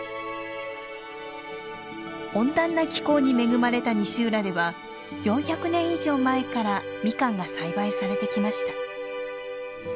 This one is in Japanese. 温暖な気候に恵まれた西浦では４００年以上前からミカンが栽培されてきました。